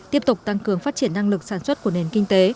tiếp tục tăng cường phát triển năng lực sản xuất của nền kinh tế